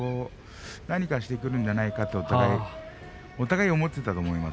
何かしてくるんじゃないかとお互い思っていたと思います。